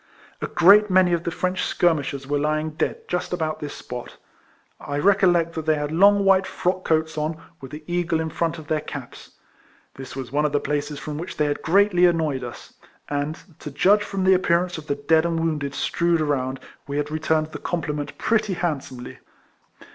A great many of the French skirmishers were lying dead just about this spot. I recollect that they had long white frock coats on, with the eagle in front of their caps. This was one of the places from which they had greatly annoyed us ; and, to judge from the appearance of the dead and wounded strewed around, we had i eturned the compliment pretty handsomely.